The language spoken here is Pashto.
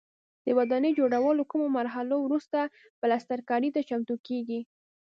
د ودانۍ جوړولو کومو مرحلو وروسته پلسترکاري ته چمتو کېږي.